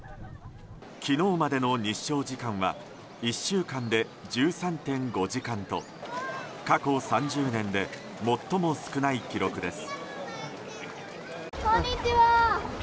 昨日までの日照時間は１週間で１３．５時間と過去３０年で最も少ない記録です。